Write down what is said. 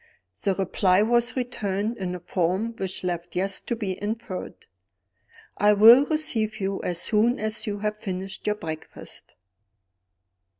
The reply was returned in a form which left Yes to be inferred: "I will receive you as soon as you have finished your breakfast."